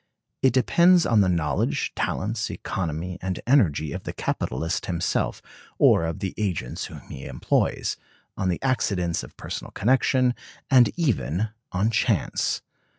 It depends on the knowledge, talents, economy, and energy of the capitalist himself, or of the agents whom he employs; on the accidents of personal connection; and even on chance.